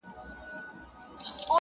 • گرانه شاعره صدقه دي سمه.